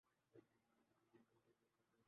تھانوں میں ہوتی ہو، میری حفاظت کے لیے تو نہیں ہے۔